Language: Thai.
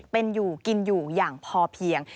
เป็นอยู่กินอยู่อย่างพอเพียง